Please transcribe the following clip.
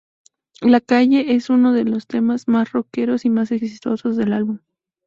La Calle es uno de los temas más roqueros y más exitosos del álbum.